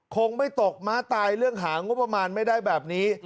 คงไม่ตกม้าตายเรื่องหางบประมาณไม่ได้แบบนี้